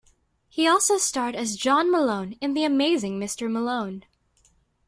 He also starred as John Malone in "The Amazing Mr. Malone".